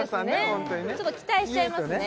ホントにねちょっと期待しちゃいますね